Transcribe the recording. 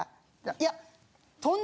いや。